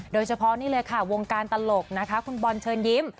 โดยเฉพาะนี่เลยค่ะวงการตลกนะคะคุณบอลเชิญยิ้ม